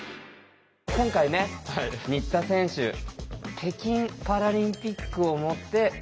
今回ね新田選手北京パラリンピックをもって。